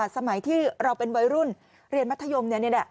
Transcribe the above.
สมัยที่เราเป็นวัยรุ่นเรียนมัธยม